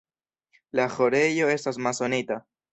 La ĥorejo estas masonita.